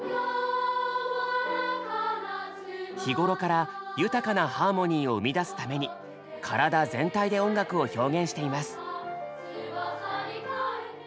日頃から豊かなハーモニーを生み出すために体全体で音楽を表現しています。